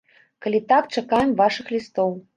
Калі так, чакаем вашых лістоў.